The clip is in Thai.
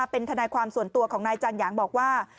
เป็นทนายความส่วนตัวของนายจันหยางบอกว่า